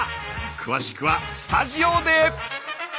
詳しくはスタジオで！